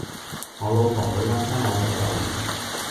我老婆好撚憎我食榴槤